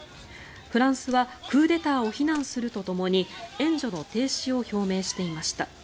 フランスはクーデターを非難するとともに援助の停止を表明していました。